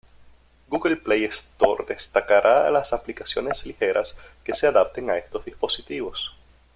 Google Play Store destacará las aplicaciones ligeras que se adapten a estos dispositivos.